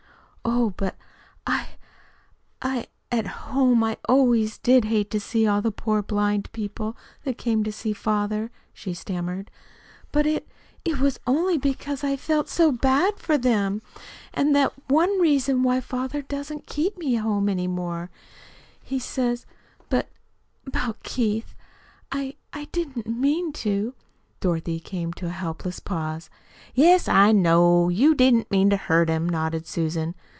"Oh, but I I At home I always did hate to see all the poor blind people that came to see father," she stammered. "But it it was only because I felt so bad for them. And that's one reason why father doesn't keep me at home any more. He says But, about Keith I I didn't mean to " Dorothy came to a helpless pause. "Yes, I know. You didn't mean to hurt him," nodded Susan.